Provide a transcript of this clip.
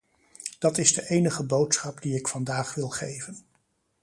Dat is de enige boodschap die ik vandaag wil geven.